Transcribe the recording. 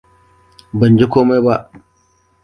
Ban ji komai ba.